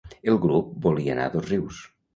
El grup volia anar a Dosrius